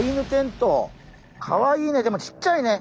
かわいいねでもちっちゃいね。